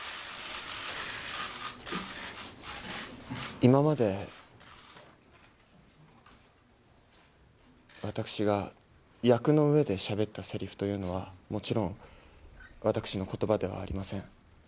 今まで私が役の上でしゃべったせりふというのは、もちろん私のことばではありません。